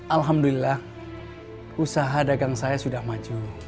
alhamdulillah usaha dagang saya sudah maju